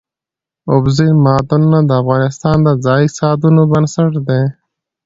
اوبزین معدنونه د افغانستان د ځایي اقتصادونو بنسټ دی.